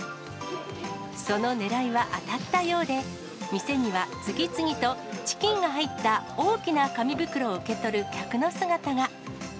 そのねらいは当たったようで、店には次々とチキンが入った大きな紙袋を受け取る客の姿が。